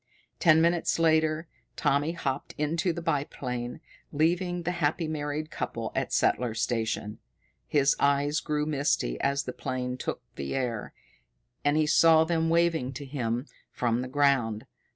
Ten minutes later Tommy hopped into the biplane, leaving the happy married couple at Settler's Station. His eyes grew misty as the plane took the air, and he saw them waving to him from the ground.